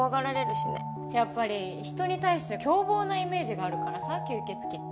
やっぱり人に対して凶暴なイメージがあるからさ吸血鬼って。